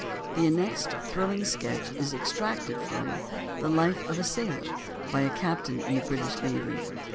The annexed thrilling sketch is extracted from the "Life of a Sailor, by a Captain in the British Navy."